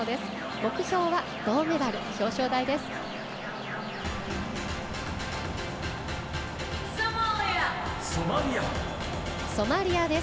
目標は銅メダル、表彰台です。